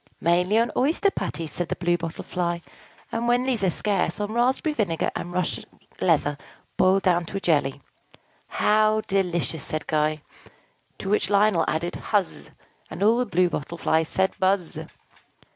"Mainly on oyster patties," said the Blue Bottle Fly; "and, when these are scarce, on raspberry vinegar and Russian leather boiled down to a jelly." "How delicious!" said Guy. To which Lionel added, "Huzz!" And all the Blue Bottle Flies said, "Buzz!"